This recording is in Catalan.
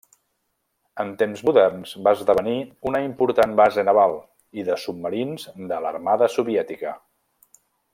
En temps moderns, va esdevenir una important base naval i de submarins de l'Armada soviètica.